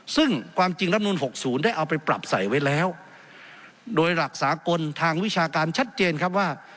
ซึ่งความจริงรับนูล๖๐ได้เอาไปปรับใส่ไว้แล้วโดยหลักสากลทางวิชาการชัดเจนครับว่า